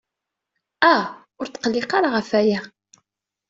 Ah, ur tqelliq ara ɣef waya.